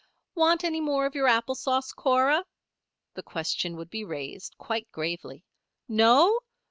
"Want any more of your apple sauce, Cora?" the question would be raised, quite gravely. "No?